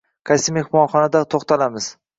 Qaysi mehmonxonada to'xtalamiz?